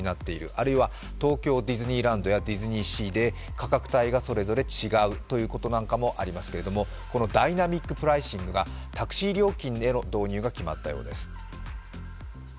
あるいは東京ディズニーランドやディズニーシーで価格帯がそれぞれ違うということなんかもありますけれどもこのダイナミックプライシングがタクシー料金への導入が決まったそうです。